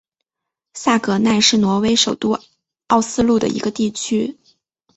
萨格奈是挪威首都奥斯陆的一个地区。